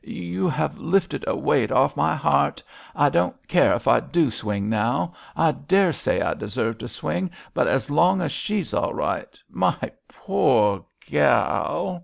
'You have lifted a weight off my heart. I don't care if I do swing now; I daresay I deserve to swing, but as long as she's all right! my poor gal!